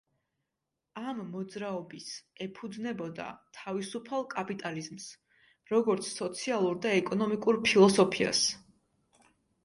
ამ მოძრაობის ეფუძნებოდა თავისუფალ კაპიტალიზმს, როგორც სოციალურ და ეკონომიკურ ფილოსოფიას.